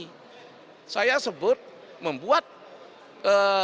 jadi saya sebut membuat lampiran